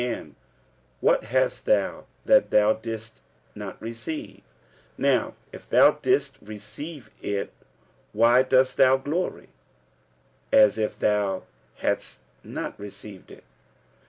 and what hast thou that thou didst not receive? now if thou didst receive it, why dost thou glory, as if thou hadst not received it?